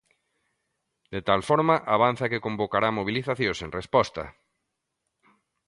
De tal forma, avanza que convocará mobilizacións en resposta.